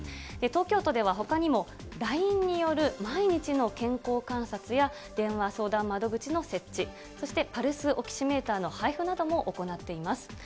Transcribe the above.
東京都ではほかにもＬＩＮＥによる毎日の健康観察や、電話相談窓口の設置、そして、パルスオキシメーターの配布なども行っています。